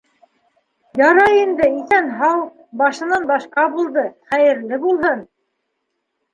— Ярай инде, иҫән-һау, башынан башҡа булды, хәйерле булһын!